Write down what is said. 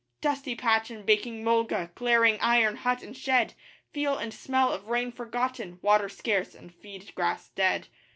Dusty patch in baking mulga glaring iron hut and shed Feel and smell of rain forgotten water scarce and feed grass dead.